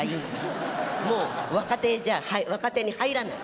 もう若手じゃ若手に入らない。